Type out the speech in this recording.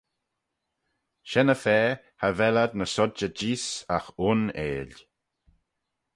Shen-y-fa cha vel ad ny sodjey jees, agh un 'eill.